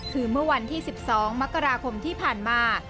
คือเมื่อวันที่๑๒มกราคมที่ผ่านมา